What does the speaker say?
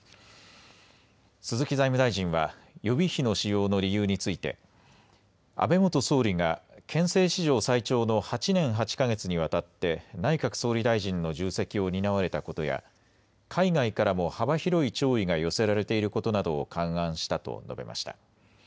鈴木財務大臣は予備費の使用の理由について安倍元総理が憲政史上最長の８年８か月にわたって内閣総理大臣の重責を担われたことや海外からも幅広い弔意が寄せられていることなどを勘案したと述べました。